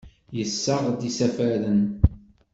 Yessaɣ-d isafaren.